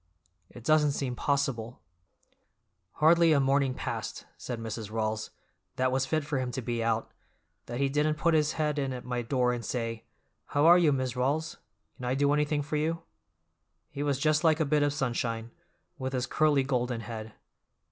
It doesn't seem possible—" "Hardly a morning passed," said Mrs. Rawls, "that was fit for him to be out, that he didn't put his head in at my door and say, 'How are you, Mis' Rawls? Can I do anything for you?' He was just like a bit of sunshine, with his curly golden head.